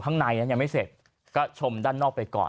ข้างในนั้นยังไม่เสร็จก็ชมด้านนอกไปก่อน